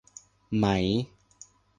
ไหม